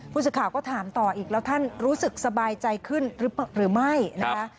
ผู้สื่อข่าวก็ถามต่ออีกแล้วท่านรู้สึกสบายใจขึ้นหรือไม่นะคะ